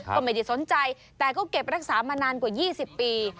ก็ไม่ได้สนใจแต่ก็เก็บรักษามานานกว่า๒๐ปี